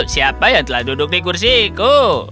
siapa yang telah duduk di kursiku